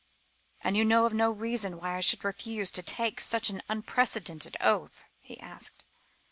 "You know of no reason why I should refuse to take such an unprecedented oath?" he asked.